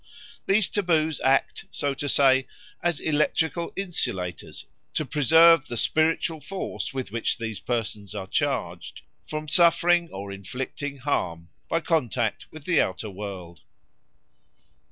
These taboos act, so to say, as electrical insulators to preserve the spiritual force with which these persons are charged from suffering or inflicting harm by contact with the outer world.